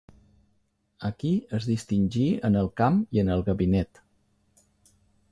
Aquí es distingí en el camp i en el gabinet.